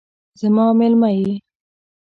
زما میلمه یې